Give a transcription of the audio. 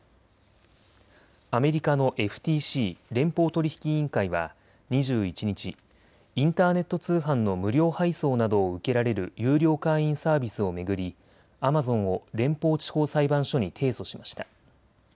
アメリカのＦＴＣ・連邦取引委員会は２１日、インターネット通販の無料配送などを受けられる有料会員サービスを巡りアマゾンを連邦地方裁判所に提訴しました。